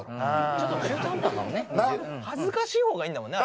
ちょっと中途半端かもね恥ずかしい方がいいんだもんね